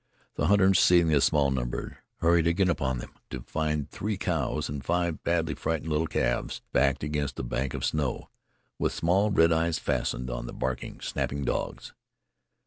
The hunters, seeing this small number, hurried upon them to find three cows and five badly frightened little calves backed against the bank of snow, with small red eyes fastened on the barking, snapping dogs.